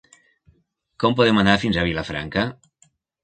Com podem anar fins a Vilafranca?